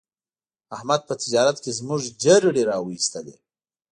احمد په تجارت کې زموږ جرړې را و ایستلې.